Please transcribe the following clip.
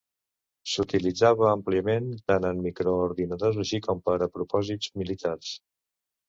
S'utilitzava àmpliament tant en microordinadors així com per a propòsits militars.